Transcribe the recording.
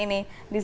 di cnn indonesia